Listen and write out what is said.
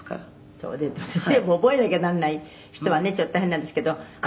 「それ全部覚えなきゃならない人はねちょっと大変なんですけど」